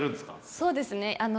そうですねあの。